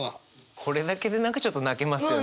これだけでちょっと泣けますよね。